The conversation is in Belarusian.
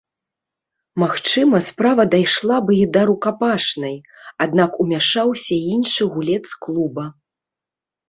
Магчыма, справа дайшла бы і да рукапашнай, аднак умяшаўся іншы гулец клуба.